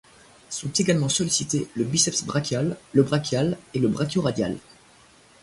Sont également sollicités le biceps brachial, le brachial, et le brachio-radial.